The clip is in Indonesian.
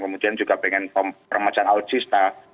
kemudian juga pengen remajaan alutsista